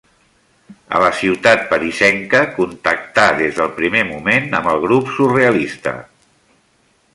A la ciutat parisenca contactà des del primer moment amb el grup surrealista.